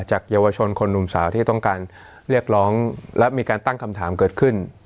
เยาวชนคนหนุ่มสาวที่ต้องการเรียกร้องและมีการตั้งคำถามเกิดขึ้น